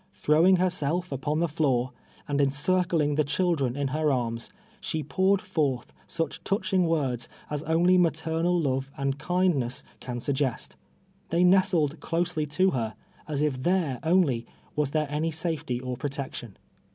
Throwing herself upon the ilooi', and encircling the children in her arms, she prtured forth such touching words as only maternal love and kindness can suggest. They nestled closely to her, as if there only was there any safety or pro tection.